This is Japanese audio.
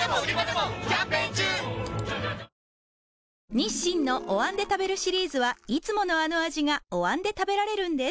日清のお椀で食べるシリーズはいつものあの味がお椀で食べられるんです